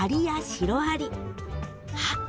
あっ！